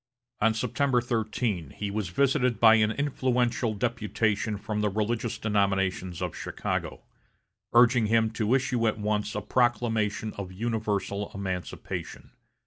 On September 13, he was visited by an influential deputation from the religious denominations of Chicago, urging him to issue at once a proclamation of universal emancipation.